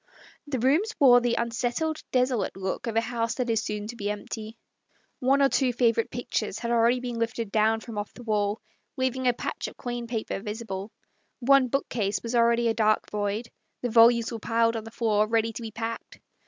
The rooms wore the unsettled, desolate look of a house that is soon to be empty. One or two favourite pictures had already been lifted down from off the wall, leaving a patch of clean paper visible; one book case was already a dark void ; the volumes were piled on the floor ready to be packed.